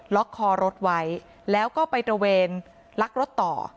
คอรถไว้แล้วก็ไปตระเวนลักรถต่อ